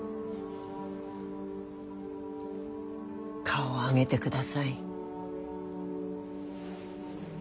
顔を上げてください。